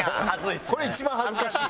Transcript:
これ一番恥ずかしい。